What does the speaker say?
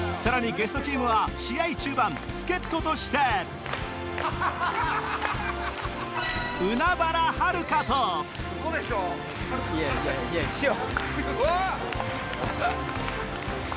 ゲストチームは試合中盤助っ人としていやいや師匠！